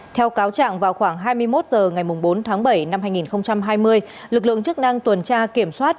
theo cáo trạng vào khoảng hai mươi một h ngày bốn tháng bảy năm hai nghìn hai mươi lực lượng chức năng tuần tra kiểm soát